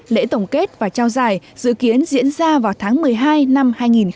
lễ tổng kết và trao giải dự kiến diễn ra vào tháng một mươi hai năm hai nghìn một mươi chín